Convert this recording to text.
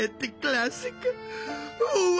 うわ！